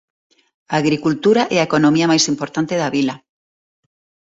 A agricultura é a economía máis importante da vila.